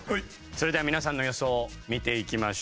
それでは皆さんの予想を見ていきましょう。